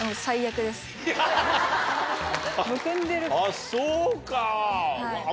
あっそうか。